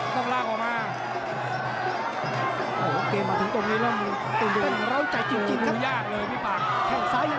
เพราะจับบนไม่ได้โดนต้องโดนคล้องเลยครับโดนไอ้คล้อง